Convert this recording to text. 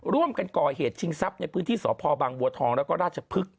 ร่วมกันก่อเหตุชิงทรัพย์ในพื้นที่สพบังบัวทองแล้วก็ราชพฤกษ